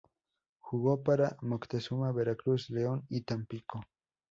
Jugó para Moctezuma, Veracruz, León y Tampico.